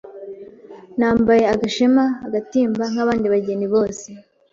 Nambaye agashema (agatimba) nk’abandi bageni bose,